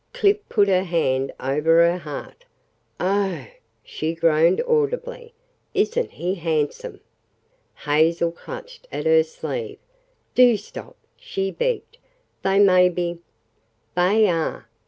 Clip put her hand over her heart. "Oh h=h!" she groaned audibly. "Isn't he handsome!" Hazel clutched at her sleeve. "Do stop!" she begged. "They may be " "They are!"